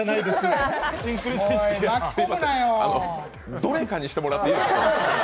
どれかにしてもらっていいですか？